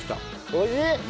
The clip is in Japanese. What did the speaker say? おいしい！